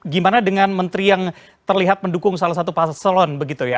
gimana dengan menteri yang terlihat mendukung salah satu pasang selon begitu ya